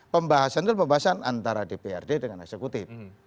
pembahasan itu pembahasan antara dprd dengan eksekutif